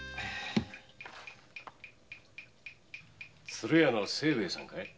鶴屋の清兵衛さんかい？